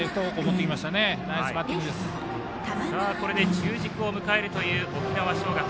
これで中軸を迎えるという沖縄尚学。